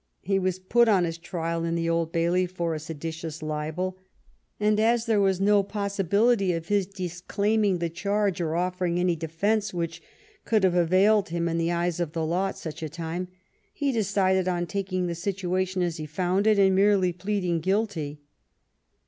He was put on his trial at the Old Bailey for a seditious libel, and as there was no possibility of his disclaiming the charge or offering any defence which could have availed him in the eyes of the law at such a time, he decided on taking the situation as he found it and merely pleading guilty.